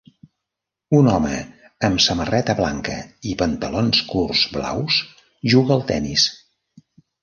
Un home amb samarreta blanca i pantalons curts blaus juga al tennis.